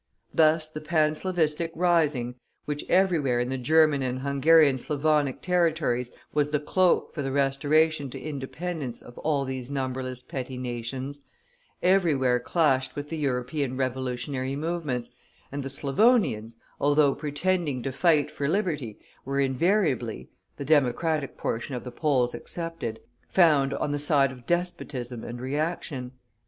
Thus, the Panslavistic rising, which everywhere in the German and Hungarian Slavonic territories was the cloak for the restoration to independence of all these numberless petty nations, everywhere clashed with the European revolutionary movements, and the Slavonians, although pretending to fight for liberty, were invariably (the Democratic portion of the Poles excepted) found on the side of despotism and reaction.